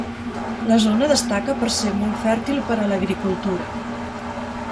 La zona destaca per ser molt fèrtil per a l'agricultura.